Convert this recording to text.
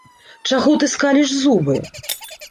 Чаго ты скаліш зубы?